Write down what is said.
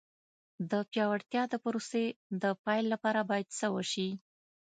د پیاوړتیا د پروسې د پیل لپاره باید څه وشي.